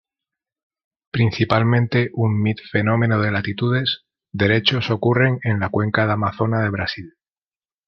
Principalmente un mid-fenómeno de latitudes, derechos ocurren en la Cuenca de Amazona de Brasil.